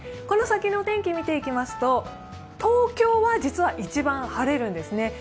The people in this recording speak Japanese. この先の天気を見ていきますと東京は実は一番晴れるんですね。